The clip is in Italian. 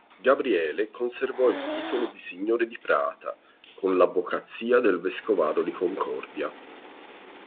Gabriele conservò il titolo di signore di Prata, con l’avvocazia del Vescovado di Concordia.